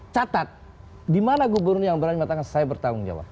catat dimana gubernur yang berani mengatakan saya bertanggung jawab